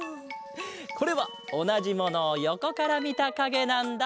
これはおなじものをよこからみたかげなんだ！